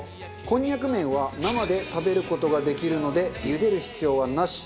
こんにゃく麺は生で食べる事ができるので茹でる必要はなし。